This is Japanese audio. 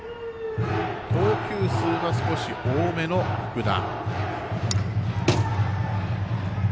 投球数は少し多めの福田。